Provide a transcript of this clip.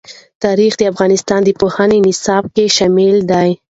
تاریخ د افغانستان د پوهنې نصاب کې شامل دي.